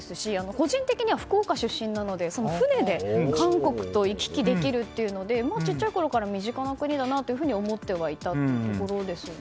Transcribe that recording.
個人的には福岡出身なので船で韓国と行き来できるので小さいころから身近な国だなと思ってはいたところですね。